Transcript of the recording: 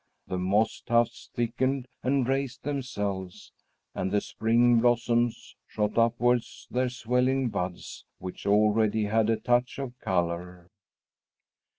The moss tufts thickened and raised themselves, and the spring blossoms shot upward their swelling buds, which already had a touch of color.